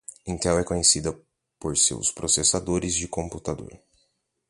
Intel é conhecida por seus processadores de computador.